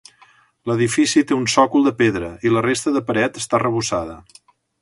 L'edifici té un sòcol de pedra i la resta de paret està arrebossada.